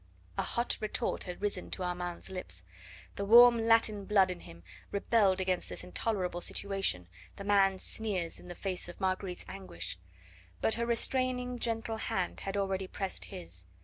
A hot retort had risen to Armand's lips. The warm Latin blood in him rebelled against this intolerable situation, the man's sneers in the face of Marguerite's anguish. But her restraining, gentle hand had already pressed his.